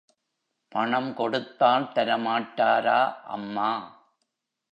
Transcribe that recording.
பணம் கொடுத்தால் தரமாட்டாரா அம்மா?